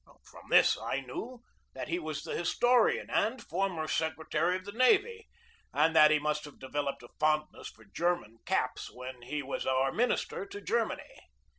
From this I knew that he was the historian and former secretary of the navy, and that he must have developed a fondness for German caps when he was our minister to Germany.